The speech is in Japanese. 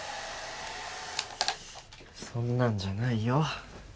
そんなんじゃないよ